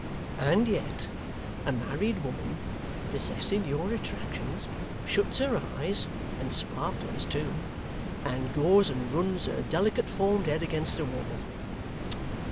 And yet a married woman, possessing your attractions, shuts her eyes (and sparklers too), and goes and runs her delicate formed head against a wall.